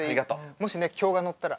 もしね興が乗ったら。